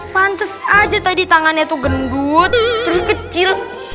pantes aja tadi tangannya tuh gendut terus kecil